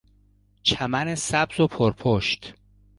چمن سبز و پر پشت